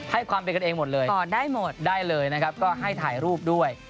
ให้ความเป็นกันเองหมดเลยต่อได้หมดได้เลยนะครับก็ให้ถ่ายรูปด้วย